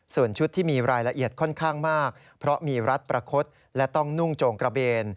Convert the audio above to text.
ส่วนชุดที่มีรายละเอียดค่อนข้างมากเพราะมีรัฐประคดและต้องนุ่งโจงกระเบน